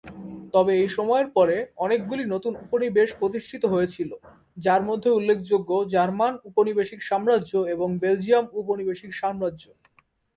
তবে এই সময়ের পরে অনেকগুলি নতুন উপনিবেশ প্রতিষ্ঠিত হয়েছিল যা মধ্যে উল্লেখযোগ্য জার্মান উপনিবেশিক সাম্রাজ্য এবং বেলজিয়াম উপনিবেশিক সাম্রাজ্য।